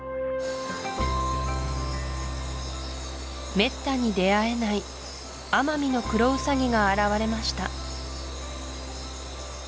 めったに出会えないアマミノクロウサギが現れました